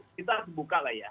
kita buka lah ya